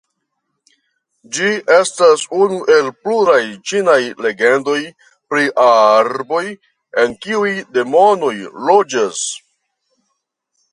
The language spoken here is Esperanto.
Ĝi estas unu el pluraj ĉinaj legendoj pri arboj en kiuj demonoj loĝas.